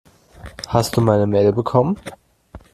Hast du meine Mail bekommen?